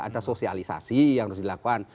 ada sosialisasi yang harus dilakukan